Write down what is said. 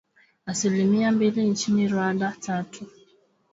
asilimia mbili nchini Rwanda tatu